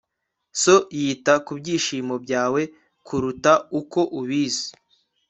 so yita ku byishimo byawe kuruta uko ubizi